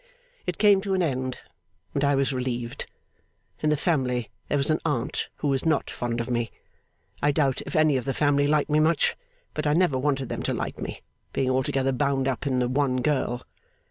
It came to an end, and I was relieved. In the family there was an aunt who was not fond of me. I doubt if any of the family liked me much; but I never wanted them to like me, being altogether bound up in the one girl.